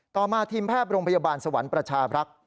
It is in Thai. ต่อมาทีมแพทย์โรงพยาบาลสวรรค์ประชาบรักษ์